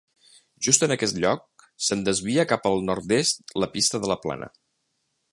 Just en aquest lloc se'n desvia cap al nord-est la Pista de la Plana.